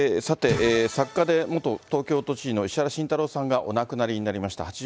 さて、作家で元東京都知事の石原慎太郎さんがお亡くなりになりました。